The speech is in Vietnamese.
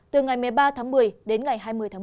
từ ngày một mươi ba một mươi đến ngày hai mươi một mươi